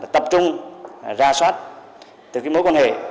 tập trung ra soát từ mối quan hệ